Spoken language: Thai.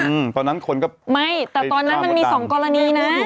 อืมตอนนั้นคนก็ในการประตังค์ไม่แต่ตอนนั้นมันมีสองกรณีนั้น